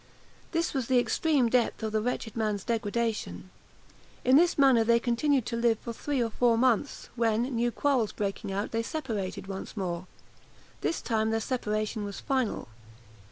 This was the extreme depth of the wretched man's degradation. In this manner they continued to live for three or four months, when, new quarrels breaking out, they separated once more. This time their separation was final.